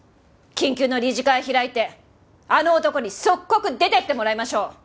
緊急の理事会開いてあの男に即刻出ていってもらいましょう。